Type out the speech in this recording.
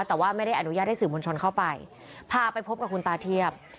แต่ว่าไม่ได้อนุญาตให้สื่อมวลชนเข้าไปพาไปพบกับคุณตาเทียบ